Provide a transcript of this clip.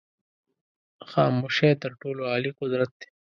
خاموشی تر ټولو عالي قدرت دی.